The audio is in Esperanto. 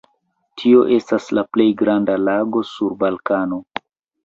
Tio estas la plej granda lago sur Balkano.